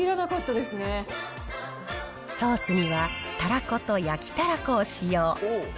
ソースには、たらこと焼きたらこを使用。